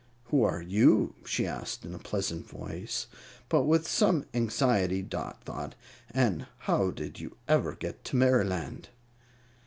"Who are you?" she asked, in a pleasant voice, but with some anxiety, Dot thought; "and how did you ever get to Merryland?"